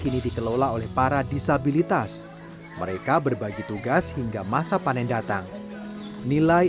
kini dikelola oleh para disabilitas mereka berbagi tugas hingga masa panen datang nilai